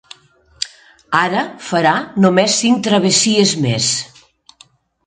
Ara farà només cinc travessies més.